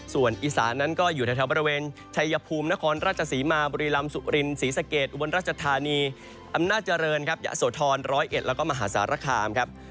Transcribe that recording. ส่วนอีสานนั้นก็อยู่แถวบริเวณชัยภูมินครราชศรีมาบุรีลำสุรินศรีสะเกดอุบลราชธานีอำนาจเจริญครับยะโสธร๑๐๑แล้วก็มหาสารคามครับ